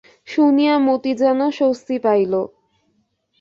শুনিয়া মতি যেন স্বস্তি পাইল।